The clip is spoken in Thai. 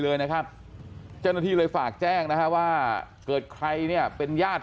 เลยนะครับเจ้าหน้าที่เลยฝากแจ้งนะฮะว่าเกิดใครเนี่ยเป็นญาติ